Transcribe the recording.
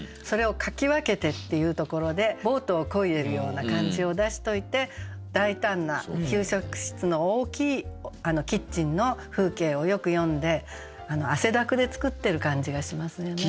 それを「掻き分けて」っていうところでボートをこいでるような感じを出しといて大胆な給食室の大きいキッチンの風景をよく詠んで汗だくで作ってる感じがしますね。